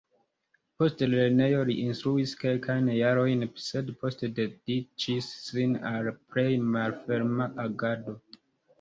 Post lernejo, li instruis kelkajn jarojn, sed poste dediĉis sin al plej malferma agado.